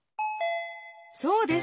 そうです。